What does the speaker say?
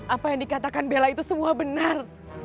apa yang dikatakan bella itu semua benar